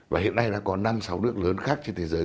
và hiện nay đã có năm sáu nước lớn khác trên thế giới